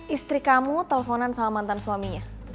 istri kamu telponan sama mantan suaminya